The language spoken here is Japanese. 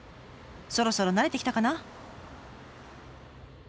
そろそろ慣れてきたかな？